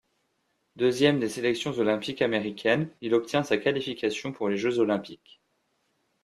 Deuxième des sélections olympiques américaines, il obtient sa qualification pour les Jeux olympiques.